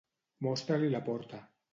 Mostra-li la porta.